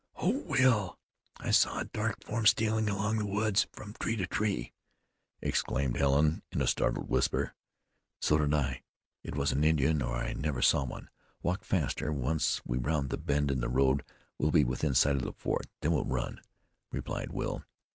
"Oh! Will! I saw a dark form stealing along in the woods from tree to tree!" exclaimed Helen in a startled whisper. "So did I. It was an Indian, or I never saw one. Walk faster. Once round the bend in the road we'll be within sight of the fort; then we'll run," replied Will.